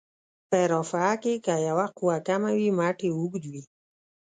په رافعه کې که یوه قوه کمه وي مټ یې اوږد وي.